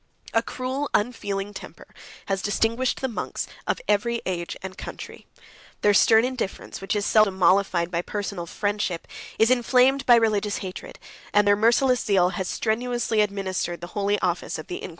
A cruel, unfeeling temper has distinguished the monks of every age and country: their stern indifference, which is seldom mollified by personal friendship, is inflamed by religious hatred; and their merciless zeal has strenuously administered the holy office of the Inquisition.